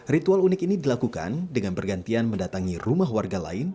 ritual unik ini dilakukan dengan bergantian mendatangi rumah warga lain